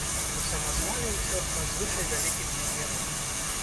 У самазвале ўсё надзвычай вялікіх памераў.